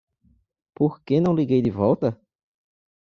Por que não liguei de volta?